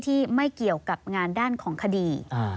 ไม่เกี่ยวกับงานด้านของคดี